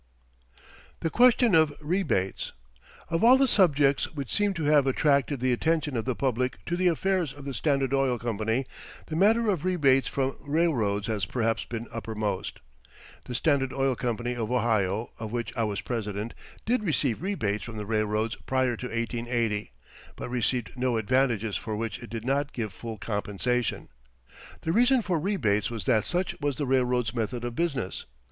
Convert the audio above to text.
THE QUESTION OF REBATES Of all the subjects which seem to have attracted the attention of the public to the affairs of the Standard Oil Company, the matter of rebates from railroads has perhaps been uppermost. The Standard Oil Company of Ohio, of which I was president, did receive rebates from the railroads prior to 1880, but received no advantages for which it did not give full compensation. The reason for rebates was that such was the railroads' method of business.